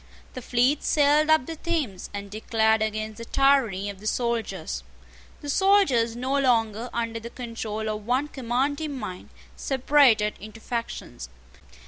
The fleet sailed up the Thames, and declared against the tyranny of the soldiers. The soldiers, no longer under the control of one commanding mind, separated into factions.